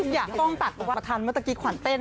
อยากต้องตัดประทันเมื่อตะกี้ขวัญเต้น